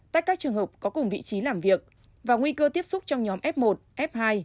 tách các trường hợp có cùng vị trí làm việc và nguy cơ tiếp xúc trong nhóm f một f hai